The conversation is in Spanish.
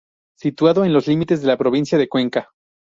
Situado en los límites con la provincia de Cuenca.